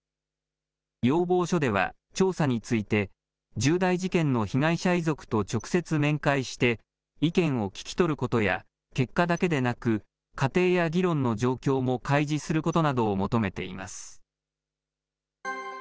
要望書では調査について、重大事件の被害者遺族と直接面会して意見を聞き取ることや、結果だけでなく、過程や議論の状況も開示することなどを求めています。